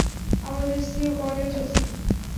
আমাদের CO, colonel জোসি।